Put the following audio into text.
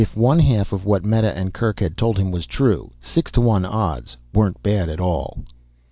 If one half of what Meta and Kerk had told him was true, six to one odds weren't bad at all.